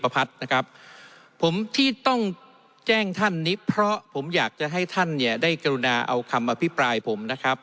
ที่ต้องแจ้งท่านนี้เพราะผมอยากจะให้ท่านเนี่ยได้กรุณาเอาคำอภิปรายผมนะครับ